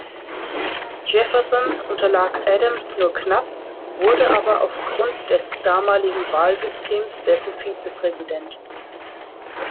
Jefferson unterlag Adams nur knapp, wurde aber aufgrund des damaligen Wahlsystems dessen Vizepräsident.